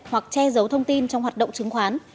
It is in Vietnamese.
hoặc che giấu thông tin trong hoạt động chứng khoán